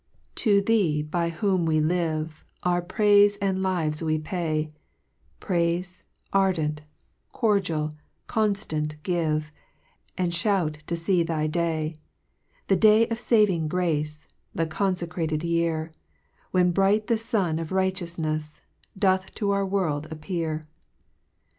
( 21 ) 5 To Thee, by whom wc lire, Our praife and lives we pay, Praife, ardent, cordial, conftant, give, And fliout to fee thy day : The day of faving grace, The confccratcd year, When the bright Sun of Righteoufaefs, Doth to our world appear.